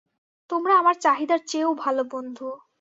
তোমরা আমার চাহিদার চেয়েও ভালো বন্ধু।